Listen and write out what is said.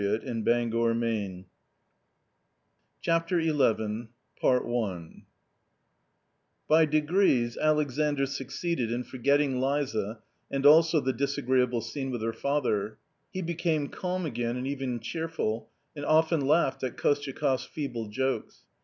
222 A COMMON STORY CHAPTER XI By degrees Alexandr succeeded in forgetting Liza and also the disagreeable scene with her father. He became calm again and even cheerful, and often laughed at KostyakofFs feeble jokes.